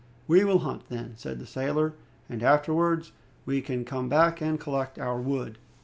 "We will hunt, then," said the sailor, "and afterwards we can come back and collect our wood."